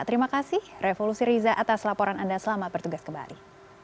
terima kasih revolusi riza atas laporan anda selamat bertugas kembali